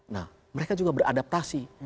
nah mereka juga beradaptasi